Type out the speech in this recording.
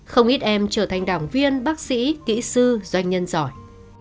không ít em trở thành đảng viên bác sĩ kỹ sư doanh nhân giỏi